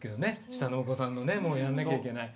下のお子さんのもやんなきゃいけない。